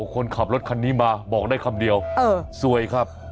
คนขับรถคันนี้มาบอกได้คำเดียวสวยครับ